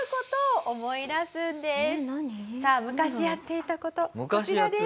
さあ昔やっていた事こちらです。